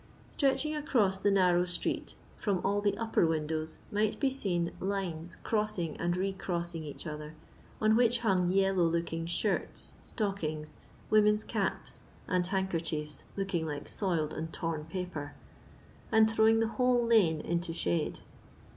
Stretching across the narrow street, firom all the upper windows, might be seen lines crouing and recrossing each other, on which hung yellow looking shirts, stockings, women's caps, and handkerchiefs looking like soiled and torn paper, and throwing the whole lane into shade.